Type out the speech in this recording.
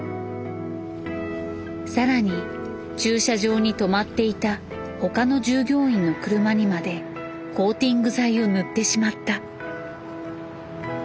さらに駐車場にとまっていた他の従業員の車にまでコーティング剤を塗ってしまった。